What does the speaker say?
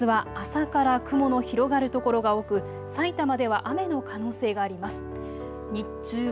あすは朝から雲の広がる所が多くさいたまでは雨の可能性があります。